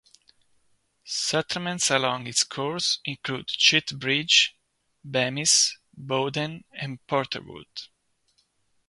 Settlements along its course include Cheat Bridge, Bemis, Bowden, and Porterwood.